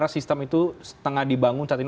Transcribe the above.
sistem itu tengah dibangun saat ini